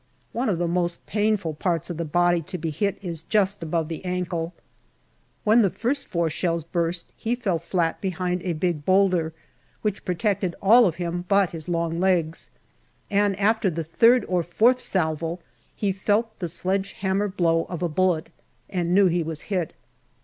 One of the most painful parts of the body to be hit is just above the ankle. When the first four shells burst he fell flat behind a big boulder, which pro tected all of him but his long legs, and after the third or fourth salvo he felt the sledge hammer blow of a bullet and knew he was hit.